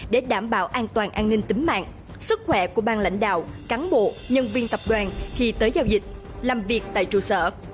để đảm bảo an toàn an ninh tính mạng sức khỏe của bang lãnh đạo cán bộ nhân viên tập đoàn khi tới giao dịch làm việc tại trụ sở